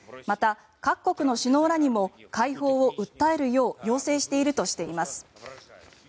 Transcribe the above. また各国の首脳らにも解放を訴えるよう要請しているとしています。